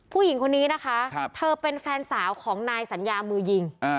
ผู้หญิงคนนี้นะคะเธอเป็นแฟนสาวของนายสัญญามือยิง